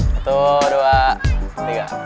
satu dua tiga